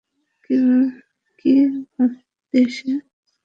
কী ভাববে সে?